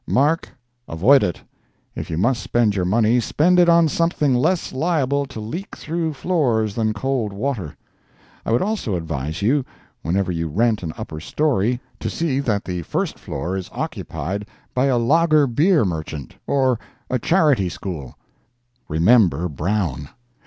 Mark, avoid it. If you must spend your money, spend it on something less liable to leak through floors than cold water. I would also advise you, whenever you rent an upper story, to see that the first floor is occupied by a lager beer merchant or a charity school. Remember Brown!